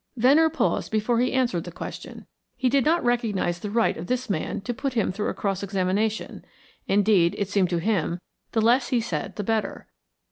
Venner paused before he answered the question. He did not recognise the right of this man to put him through a cross examination. Indeed, it seemed to him, the less he said the better.